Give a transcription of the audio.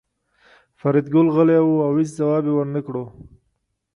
فریدګل غلی و او هېڅ ځواب یې ورنکړ